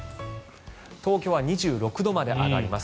東京は２６度まで上がります。